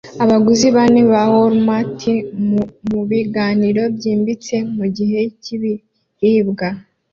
Abaguzi bane ba Walmart mubiganiro byimbitse mugice cyibiribwa